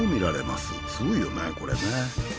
すごいよねこれね。